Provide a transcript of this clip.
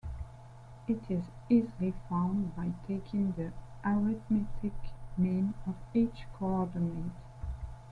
It is easily found by taking the arithmetic mean of each coordinate.